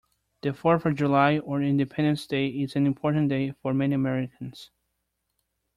The fourth of July, or Independence Day, is an important day for many Americans.